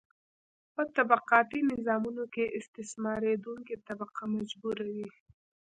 په طبقاتي نظامونو کې استثماریدونکې طبقه مجبوره وي.